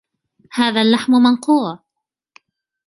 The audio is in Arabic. هذا اللحم منقوع.